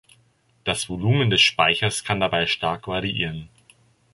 Das Volumen des Speichers kann dabei stark variieren.